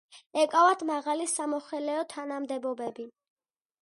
ეკავათ მაღალი სამოხელეო თანამდებობები.